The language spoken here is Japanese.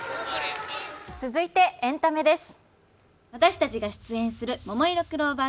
続いてエンタメです。